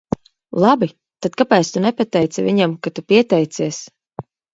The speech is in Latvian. Labi, tad kāpēc tu nepateici viņam, ka tu pieteicies?